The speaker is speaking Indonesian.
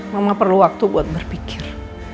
mama perlu waktu buat berpikir